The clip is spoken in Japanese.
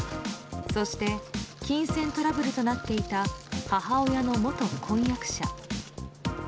そして金銭トラブルとなっていた母親の元婚約者。